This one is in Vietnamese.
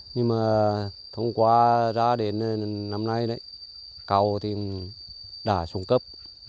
nhưng mà thông qua ra đến năm nay đấy cầu thì đã xuống cấp